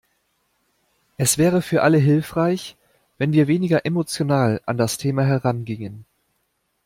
Es wäre für alle hilfreich, wenn wir weniger emotional an das Thema herangingen.